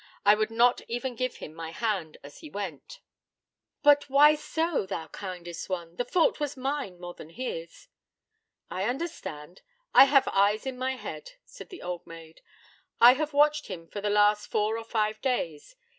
I would not even give him my hand as he went.' 'But why so, thou kindest one? The fault was mine more than his.' 'I understand. I have eyes in my head,' said the old maid. 'I have watched him for the last four or five days.